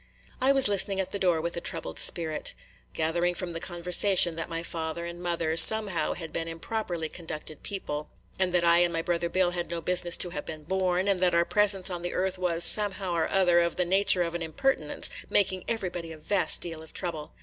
I was listening at the door with a troubled spirit. Gathering from the conversation that my father and mother, somehow, had been improperly conducted people, and that I and my brother Bill had no business to have been born, and that our presence on the earth was, somehow or other, of the nature of an impertinence, making everybody a vast deal of trouble.